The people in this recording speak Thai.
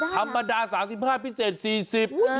ธรรมดา๓๕พิเศษ๔๐บาท